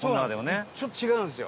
伊達：ちょっと違うんですよ。